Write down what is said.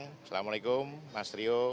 assalamualaikum mas rio